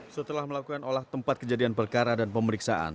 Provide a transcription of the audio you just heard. setelah melakukan olah tempat kejadian perkara dan pemeriksaan